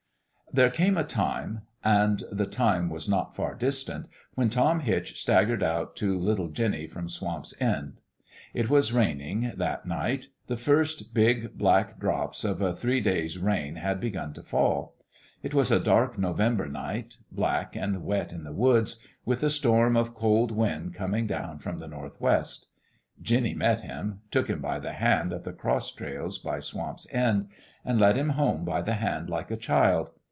" There came a time and the time was not far distant when Tom Hitch staggered out to lit tle Jinny from Swamp's End. It was rain 8o In LOYE WHH A FLOWER ing, that night The first big, black drops of a three days' rain had begun to fall. It was a dark November night black and wet in the woods with a storm of cold wind coming down from the Northwest. Jinny met him took him by the hand at the cross trails by Swamp's End and led him home by the hand like a child.